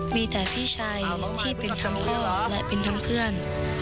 มีแต่พี่ชายที่เป็นทั้งเพื่อนและเป็นทั้งเพื่อน